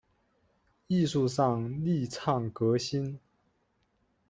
艺术上力倡革新